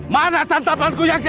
mana santapanku yang kena